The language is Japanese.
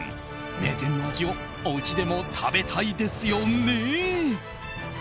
名店の味をおうちでも食べたいですよね！